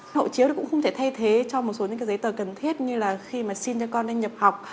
hộ chiếu cũng không thể thay thế cho một số giấy tờ cần thiết như khi xin cho con nhập học